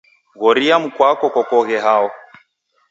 Ghoria mkwako kokoghe hao.